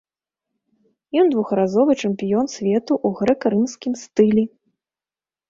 Ён двухразовы чэмпіён свету ў грэка-рымскім стылі.